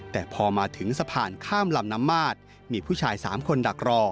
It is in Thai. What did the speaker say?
แต่พอมาถึงสะพานข้ามลำน้ำมาดมีผู้ชาย๓คนดักรอ